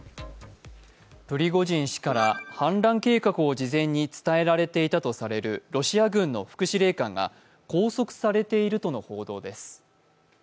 プリゴジン氏から反乱計画を事前に伝えられていたとされるロシア軍の副司令官が拘束されているとの報道です。